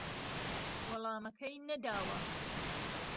وەڵامەکەی نەداوە